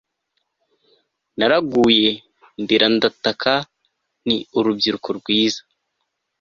Naraguye ndira ndataka nti Urubyiruko rwiza